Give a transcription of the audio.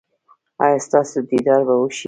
ایا ستاسو دیدار به وشي؟